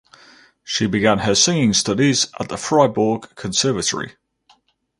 She began her singing studies at the Fribourg Conservatory.